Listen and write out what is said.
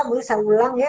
boleh saya ulang ya